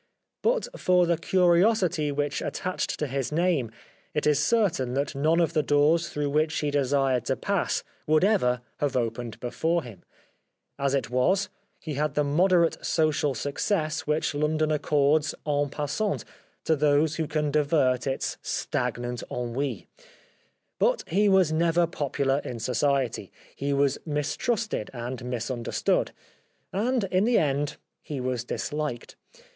But for the curiosity which attached to his name it is certain that none of the doors through which he desired to pass would ever have opened before him. As it was, he had the moderate social success which 167 The Life of Oscar Wilde London accords en passant to those who can divert its stagnant ennui. But he was never popular in society ; he was mistrusted and mis understood; andintheendhe wasdishked.